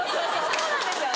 そうなんですよね。